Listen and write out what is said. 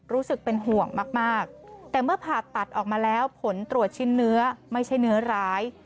รู้สึกเป็นห่วงมากแต่เมื่อผ่าตัดออกมาแล้วผลตรวจชิ้นเนื้อไม่ใช่เนื้อร้าย